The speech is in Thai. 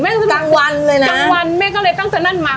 แม่ก็สะดุ้งตื่นตั้งวันเลยนะตั้งวันแม่ก็เลยตั้งจากนั้นมา